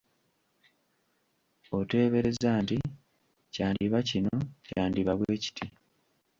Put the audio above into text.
Oteebereza nti: Kyandiba kino, kyandiba bwe kiti.